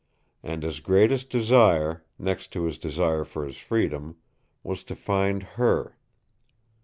And his greatest desire, next to his desire for his freedom, was to find her.